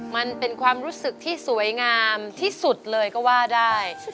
มันเป็นความรู้สึกที่สวยงามที่สุดเลยก็ว่าได้